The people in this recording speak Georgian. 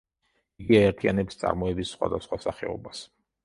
იგი აერთიანებს წარმოების სხვადასხვა სახეობას.